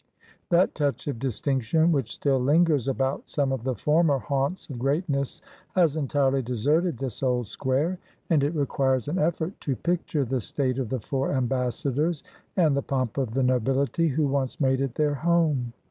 That touch of distinction which still lingers about some of the former haunts of greatness has entirely deserted this old square, and it requires an effort to picture the state of the four ambassadors and the pomp of the nobility who once made it their home.